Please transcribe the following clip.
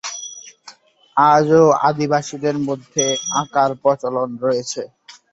আজও আদিবাসীদের মধ্যে আঁকার প্রচলন আছে।